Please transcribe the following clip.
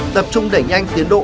tập trung đẩy nhanh tiến độ